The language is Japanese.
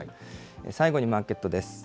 最後にマーケットです。